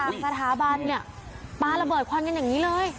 ถึงศึกษาต่างสถาบันเนี่ยปลาระเบิดควันกันอย่างนี้เลย